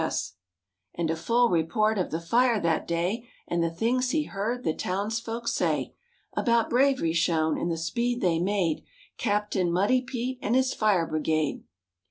TEDDY B. 30 MORE ABOUT THE ROOSEVELT BEARS And a full report of the fire that day And the things he heard the towns folk say About bravery shown and the speed they made: Captain Muddy Pete and his fire brigade.